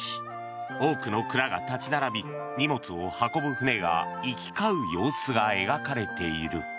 多くの蔵が立ち並び荷物を運ぶ舟が行き交う様子が描かれている。